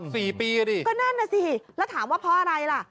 สี่ปีอ่ะดิก็นั่นน่ะสิแล้วถามว่าเพราะอะไรล่ะ